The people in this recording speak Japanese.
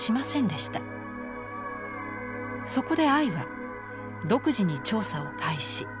そこでアイは独自に調査を開始。